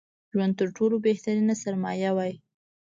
ژوند تر ټولو بهترينه سرمايه وای